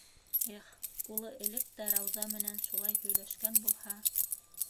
Эх, улы элек тә Рауза менән шулай һөйләшкән булһа!